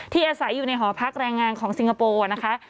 อาศัยอยู่ในหอพักแรงงานของสิงคโปร์นะคะ